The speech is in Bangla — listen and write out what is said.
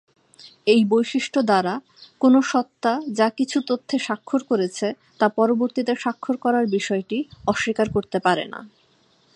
এই বৈশিষ্ট্য দ্বারা, কোনও সত্তা যা কিছু তথ্যে স্বাক্ষর করেছে তা পরবর্তীতে স্বাক্ষর করার বিষয়টি অস্বীকার করতে পারে না।